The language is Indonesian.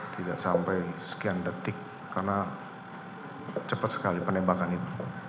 tidak sampai sekian detik karena cepat sekali penembakan itu